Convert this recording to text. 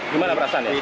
gimana perasaan ya